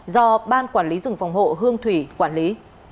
do ban quản lý rừng phòng hộ hương thủy quản lý